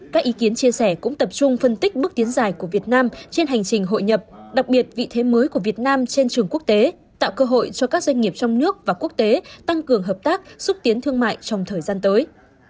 các ý kiến chia sẻ cũng tập trung phân tích bước tiến dài của việt nam trên hành trình hội nhập đặc biệt vị thế mới của việt nam trên trường quốc tế tạo cơ hội cho các doanh nghiệp trong nước và quốc tế tăng cường hợp tác xúc tiến thương mại trong thời gian tới